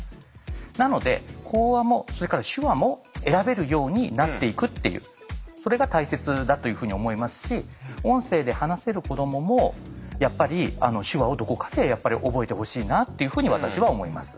なので口話もそれから手話も選べるようになっていくっていうそれが大切だというふうに思いますし音声で話せる子どももやっぱり手話をどこかでやっぱり覚えてほしいなというふうに私は思います。